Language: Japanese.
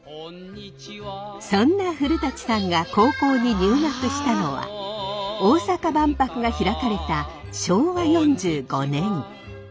そんな古さんが高校に入学したのは大阪万博が開かれた昭和４５年。